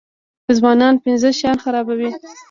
ځوانان پنځه شیان خرابوي.